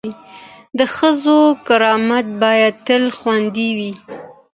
د ښځو کرامت باید تل خوندي وي.